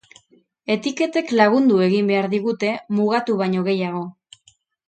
Etiketek lagundu egin behar digute, mugatu baino gehiago.